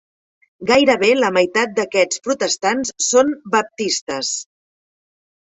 Gairebé la meitat d'aquests protestants són baptistes.